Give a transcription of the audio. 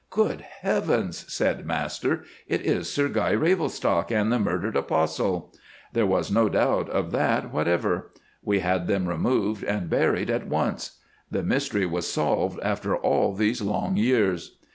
"'Good Heavens,' said master, 'it is Sir Guy Ravelstocke and the murdered Apostle!' There was no doubt of that whatever. We had them removed and buried at once. The mystery was solved after all these long years.